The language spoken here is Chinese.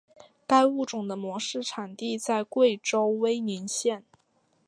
该物种的模式产地在贵州威宁县。